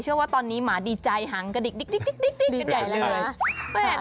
เชื่อว่าตอนนี้หมาดีใจหังกระดิกกระดิกกันใหญ่แล้วนะ